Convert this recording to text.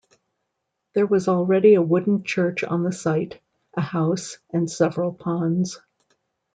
There was already a wooden church on the site, a house and several ponds.